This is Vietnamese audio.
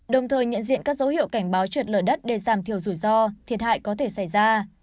đồng thời nhận diện các dấu hiệu cảnh báo trượt lở đất để giảm thiểu rủi ro thiệt hại có thể xảy ra